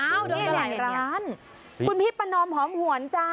อ้าวโดนกันอะไรอันนี้นี่แหละร้านคุณพี่ประนอมหอมหวนจ้า